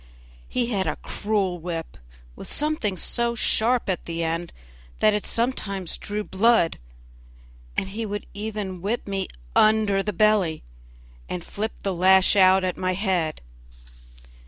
He had a cruel whip with something so sharp at the end that it sometimes drew blood, and he would even whip me under the belly, and flip the lash out at my head.